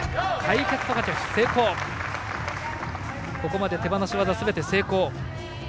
ここまで手放し技すべて成功。